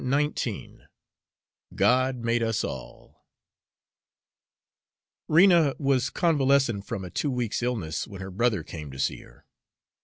XIX GOD MADE US ALL Rena was convalescent from a two weeks' illness when her brother came to see her.